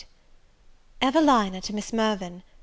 EVELINA TO MISS MIRVAN.